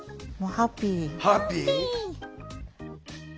ハッピー。